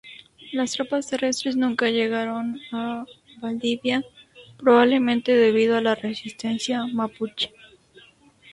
Las tropas terrestres nunca llegaron a Valdivia, probablemente debido a la resistencia mapuche.